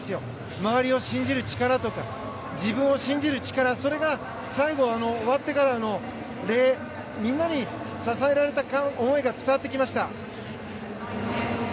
周りを信じる力とか自分を信じる力それが最後、終わってからのみんなに支えられた思いが伝わってきました。